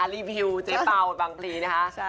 รีวิวเจ๊เป่าบางพลีนะคะ